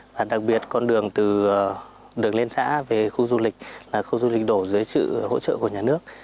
và đặc biệt con đường từ đường lên xã về khu du lịch khu du lịch đổ dưới sự hỗ trợ của nhà nước